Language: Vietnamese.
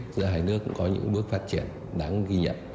giữa hai nước cũng có những bước phát triển đáng ghi nhận